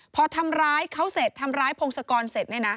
พอทำร้ายเขาเสร็จทำร้ายพงศกรเสร็จ